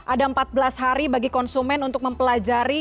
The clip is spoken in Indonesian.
ada empat belas hari bagi konsumen untuk mempelajari